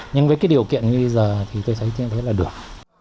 nhưng với cái điều kiện như bây giờ thì tôi thấy là được